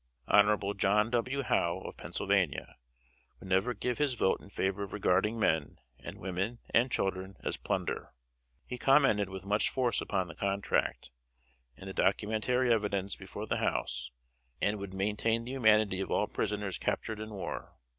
Hon. John W. Howe, of Pennsylvania, would never give his vote in favor of regarding men, and women, and children, as plunder. He commented with much force upon the contract, and the documentary evidence before the House, and would maintain the humanity of all prisoners captured in war.